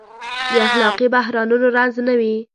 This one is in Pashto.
د اخلاقي بحرانونو رنځ نه وي.